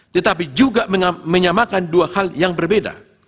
tetapi juga menyamakan dua hal yang berbeda